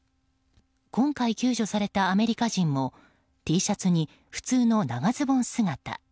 今回救助されたアメリカ人もＴシャツに普通の長ズボン姿。